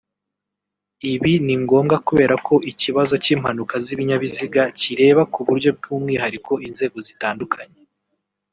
Ibi ni ngombwa kubera ko ikibazo cy’impanuka z’ibinyabiziga kireba ku buryo bw’umwihariko inzego zitandukanye